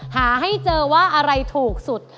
หาให้เจอว่าอะไรถูกสุด